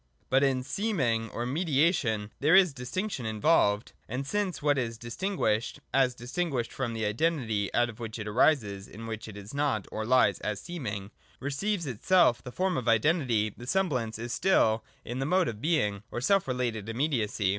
But in seem ing or mediation there is distinction involved : and since what is distinguished (as distinguished from the identity out of which it arises, and in which it is not, or lies as seeming,) receives itself the form of identity, the sem blance is still in the mode of Being, or of self related immediacy.